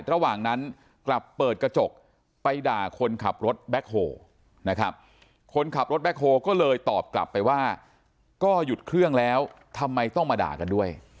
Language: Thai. ระหว่างนั้นกลับเปิดกระจกไปด่าคนขับรถแบ็คโฮนะครับคนขับรถแบ็คโฮก็เลยตอบกลับไปว่าก็หยุดเครื่องแล้วทำไมต้องมาด่ากันด้วย